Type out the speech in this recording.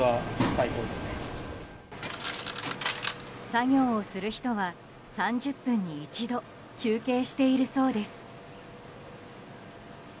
作業をする人は３０分に一度休憩しているそうです。